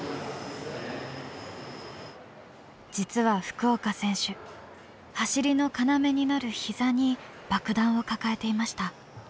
実は福岡選手走りの要になる膝に爆弾を抱えていました。